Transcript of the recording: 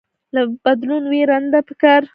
له بدلون ويره نده پکار